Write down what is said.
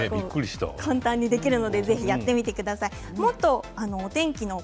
簡単にできるのでやってみてください。